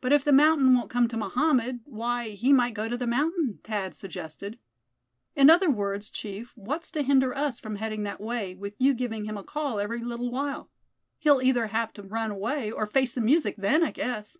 "But if the mountain won't come to Mohammed; why, he might go to the mountain," Thad suggested; "in other words, chief, what's to hinder us from heading that way, with you giving him a call every little while? He'll either have to run away, or face the music then, I guess."